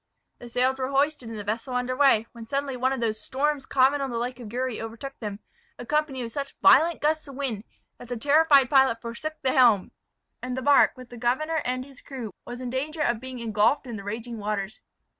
The sails were hoisted and the vessel under weigh, when suddenly one of those storms common on the lake of Uri overtook them, accompanied with such violent gusts of wind, that the terrified pilot forsook the helm; and the bark, with the governor and his crew, was in danger of being ingulfed in the raging waters.